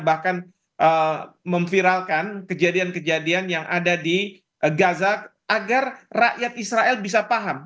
bahkan memviralkan kejadian kejadian yang ada di gaza agar rakyat israel bisa paham